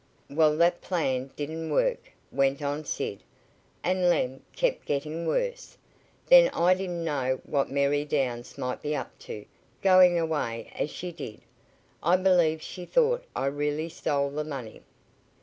"Well, that plan didn't work," went on Sid, "and Lem kept getting worse. Then I didn't know what Mary Downs might be up to, going away as she did. I believe she thought I really stole the money."